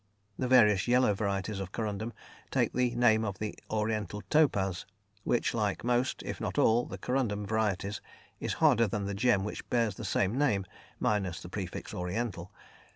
The various yellow varieties of corundum take the name of the "oriental topaz," which, like most, if not all, the corundum varieties, is harder than the gem which bears the same name, minus the prefix "oriental."